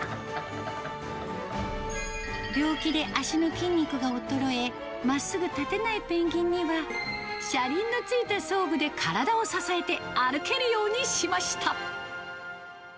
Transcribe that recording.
病気で足の筋肉が衰え、まっすぐ立てないペンギンには、車輪のついた装具で体を支えて歩けるようにしました。